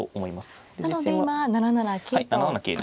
なので今７七桂と。